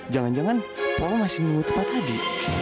jangan jangan papa masih menunggu tempat tadi